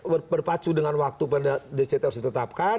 berpacu dengan waktu pada dct harus ditetapkan